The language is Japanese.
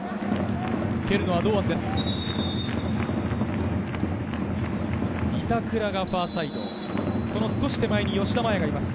蹴るのは堂安です。